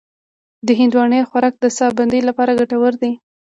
د هندواڼې خوراک د ساه بندۍ لپاره ګټور دی.